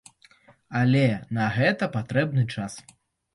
Але на гэта патрэбны час.